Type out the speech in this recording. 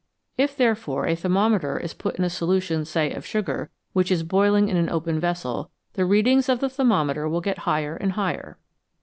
If, therefore, a thermometer is put in a solution, say, of sugar, which is boiling in an open vessel, the readings of the thermometer will get higher and higher.